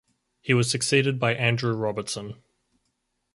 He was succeeded by Andrew Robertson.